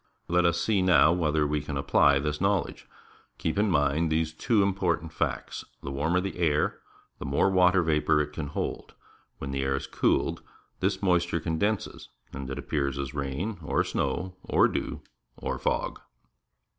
Let us see now whether we can apply this knowledge. • Keep in mind these two important facts. The warmer the air, the more water vapour it can hold. When the air is cooled, this moisture condenses and appears as rain, or snow, or dew, or fog.